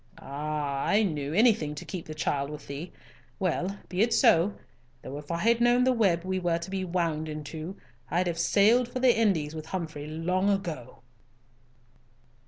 Ah! I knew, anything to keep the child with thee! Well, be it so—though if I had known the web we were to be wound into, I'd have sailed for the Indies with Humfrey long ago!"